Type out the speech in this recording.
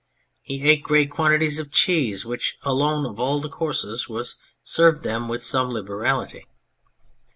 He ate great quantities of cheese, which alone of all the courses was served them with some liberality.